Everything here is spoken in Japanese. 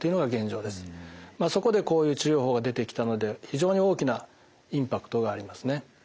そこでこういう治療法が出てきたので非常に大きなインパクトがありますね。